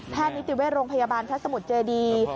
นิติเวชโรงพยาบาลพระสมุทรเจดี